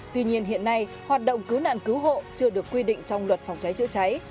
tuy nhiên hiện nay hoạt động cứu nạn cứu hộ chưa được quy định trong luật phòng cháy chữa cháy